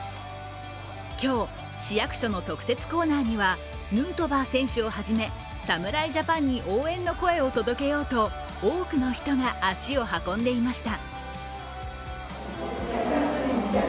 今日、市役所の特設コーナーにはヌートバー選手をはじめ侍ジャパンに応援の声を届けようと多くの人が足を運んでいました。